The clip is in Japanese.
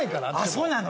そうなの？